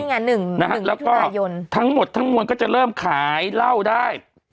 ได้ไง๑ทุนายนทั้งหมดทั้งนอนก็จะเริ่มขายเหล้าได้